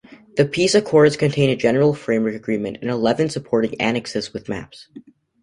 The peace accords contained a General Framework Agreement and eleven supporting annexes with maps.